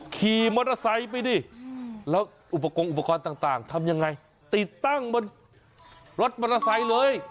ขี่มอเตอร์ไซค์ไปดิแล้วอุปกรณ์อุปกรณ์ต่างทำยังไงติดตั้งบนรถมอเตอร์ไซค์เลย